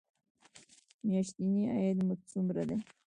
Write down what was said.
میاشتنی عاید مو څومره دی؟